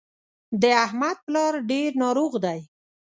د احمد پلار ډېر ناروغ دی